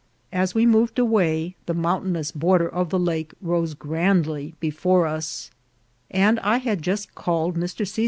As we moved away the mountainous bor ders of the lake rose grandly>before us ; and I had just called Mr. C.'